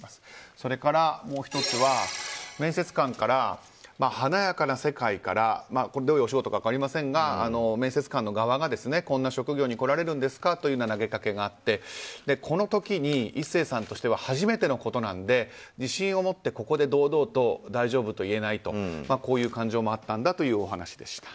それから、もう１つは面接官から、華やかな世界からどういうお仕事か分かりませんが面接官の側が、こんな職業に来られるんですか？という投げかけがあってこの時に、壱成さんとしては初めてのことなので自信を持ってここで堂々と大丈夫と言えないとこういう感情もあったんだというお話でした。